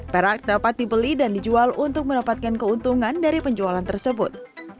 perak dapat dibeli dan dijual untuk mendapatkan keuntungan dari penjualan tersebut